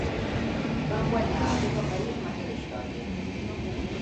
Vam guanyar a tot el país amb aquella història.